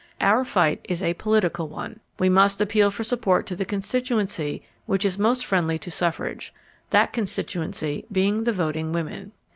Our fight is a political one. We must appeal for support to the constituency which is most friendly to suffrage, that constituency being the voting women.